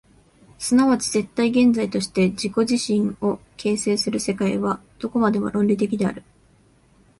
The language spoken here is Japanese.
即ち絶対現在として自己自身を形成する世界は、どこまでも論理的である。